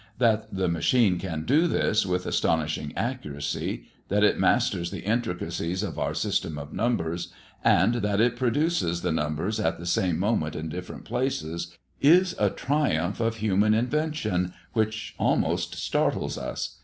That the machine can do this with astonishing accuracy; that it masters the intricacies of our system of numbers; and that it produces the numbers at the same moment in different places; is a triumph of human invention which almost startles us.